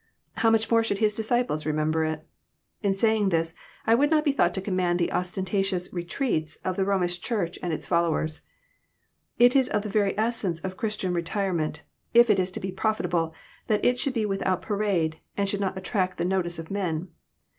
How much more should His disciples remember it ! In saying this, I would not be thought to commend the ostentatious retreats " of the Romish Church and its followers. It is of the very essence of Christian retirement, if it is to be profitable, that it should be without parade, and should not attract the notice of men.